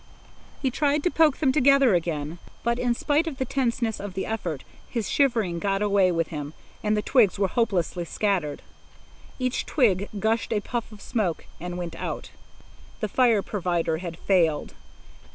He tried to poke them together again, but in spite of the tenseness of the effort, his shivering got away with him, and the twigs were hopelessly scattered. Each twig gushed a puff of smoke and went out. The fire provider had failed.